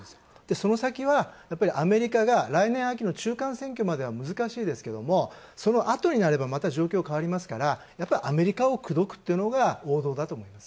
その先はアメリカが来年秋の中間選挙までは難しいですけども、そのあとになればまた状況が変わりますから、アメリカを口説くというのが王道だと思います。